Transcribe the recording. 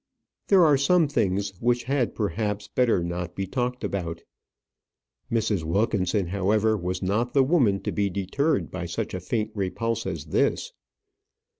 "There are some things which had, perhaps, better not be talked about." Mrs. Wilkinson, however, was not the woman to be deterred by such a faint repulse as this.